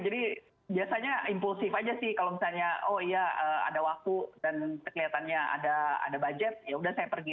jadi biasanya impulsif aja sih kalau misalnya oh iya ada waktu dan kelihatannya ada budget yaudah saya pergi